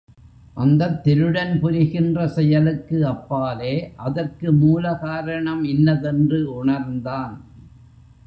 அந்தத் திருடன் புரிகின்ற செயலுக்கு அப்பாலே அதற்கு மூல காரணம் இன்னதென்று உணர்ந்தான்.